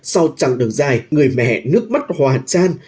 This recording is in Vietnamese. sau chặng đường dài người mẹ nước mắt hòa trang